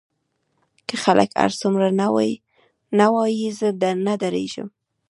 که خلک هر څومره نه ووايي زه نه درېږم.